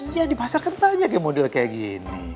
iya di pasar kan tanya ke model kayak gini